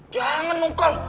jangan dong kal